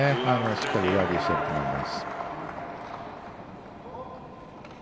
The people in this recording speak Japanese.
しっかりラリーしていたと思います。